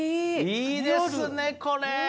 いいですねこれ！